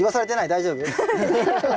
大丈夫？